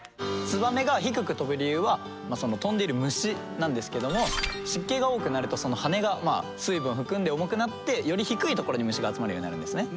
ツバメが低く飛ぶ理由はその飛んでいる虫なんですけども湿気が多くなるとその羽が水分含んで重くなってより低い所に虫が集まるようになるんですね。